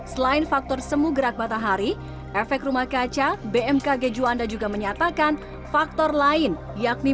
selain faktor semu gerak matahari efek rumah kaca bmkg juanda juga menyatakan faktor lain yakni